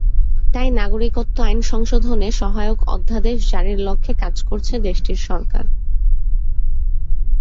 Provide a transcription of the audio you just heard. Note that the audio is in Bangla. তাই নাগরিকত্ব আইন সংশোধনে সহায়ক অধ্যাদেশ জারির লক্ষ্যে কাজ করছে দেশটির সরকার।